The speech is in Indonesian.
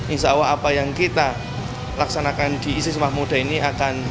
insya allah apa yang kita laksanakan di isi sumpah muda ini akan